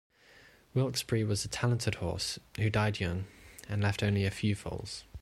Wilkesberry was a talented horse who died young and left only a few foals.